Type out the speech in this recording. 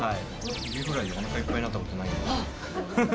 エビフライでおなかいっぱいになったことないんで。